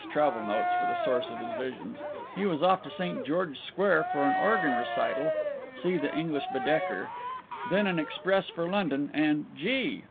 Travel Notes_ for the source of his visions); he was off to St. George's Square for an organ recital (see the English Baedeker); then an express for London and—Gee!